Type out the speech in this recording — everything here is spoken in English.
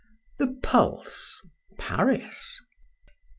THE PULSE. PARIS.